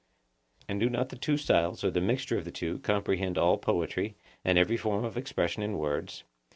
And do not the two styles, or the mixture of the two, comprehend all poetry, and every form of expression in words?